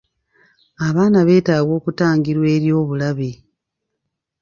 Abaana beetaaga okutangirwa eri obulabe.